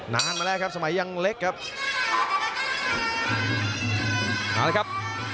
นานมาแล้วครับสมัยยังเล็กครับ